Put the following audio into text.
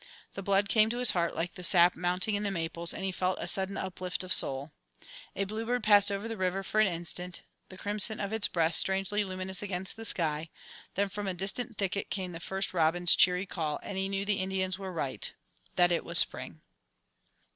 The blood came to his heart like the sap mounting in the maples, and he felt a sudden uplift of soul. A bluebird paused over the river for an instant, the crimson of its breast strangely luminous against the sky, then from a distant thicket came the first robin's cheery call, and he knew the Indians were right that it was Spring.